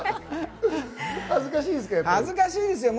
恥ずかしいです。